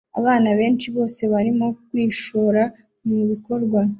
Abana benshi bose barimo kwishora mubikorwa